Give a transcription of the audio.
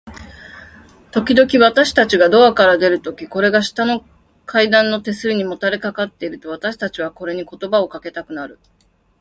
ときどき、私たちがドアから出るとき、これが下の階段の手すりにもたれかかっていると、私たちはこれに言葉をかけたくなる。